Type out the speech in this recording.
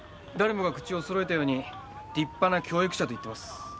誰もが口を揃えたように立派な教育者と言ってます。